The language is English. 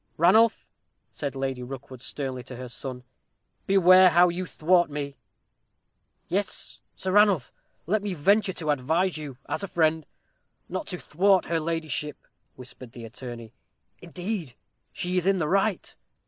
"Ranulph," said Lady Rookwood, sternly, to her son, "beware how you thwart me!" "Yes, Sir Ranulph, let me venture to advise you, as a friend, not to thwart her ladyship," whispered the attorney; "indeed, she is in the right."